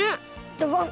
ドボン！